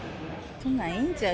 そんなんいいんちゃう？